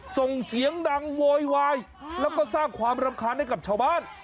ส่งเสียงดังโวยวายแล้วก็สร้างความรำคาญให้กับชาวบ้าน